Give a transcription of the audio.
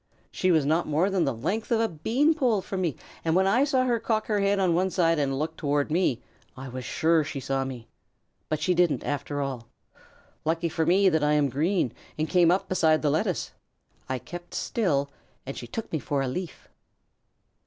She was not more than the length of a bean pole from me, and when I saw her cock her head on one side and look toward me, I was sure she saw me. But she didn't, after all. Lucky for me that I am green and came up beside the lettuce. I kept still and she took me for a leaf."